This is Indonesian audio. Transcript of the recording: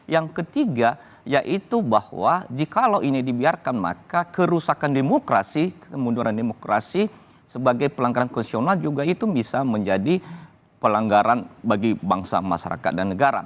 yang ketiga yaitu bahwa jikalau ini dibiarkan maka kerusakan demokrasi kemunduran demokrasi sebagai pelanggaran konstitusional juga itu bisa menjadi pelanggaran bagi bangsa masyarakat dan negara